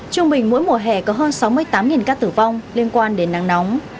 trung bình mỗi mùa hè có hơn sáu mươi tám ca tử vong liên quan đến nắng nóng